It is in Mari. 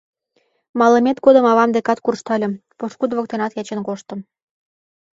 — Малымет годым авам декат куржтальым, пошкудо воктенат ячен коштым...